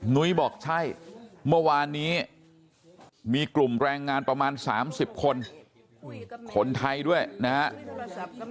นุ้ยบอกใช่เมื่อวานนี้มีกลุ่มแรงงานประมาณ๓๐คนคนไทยด้วยนะครับ